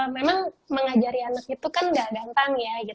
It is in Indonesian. memang mengajari anak itu kan gak gampang ya